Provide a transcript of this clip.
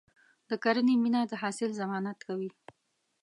د کرنې مینه د حاصل ضمانت کوي.